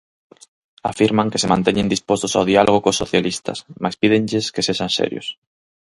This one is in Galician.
Afirman que se manteñen dispostos ao diálogo cos socialistas, mais pídenlles que sexan serios.